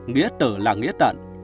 nghĩa tử là nghĩa tận